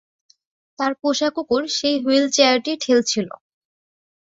আর তাঁর পোষা কুকুর সেই হুইলচেয়ারটি ঠেলছিল।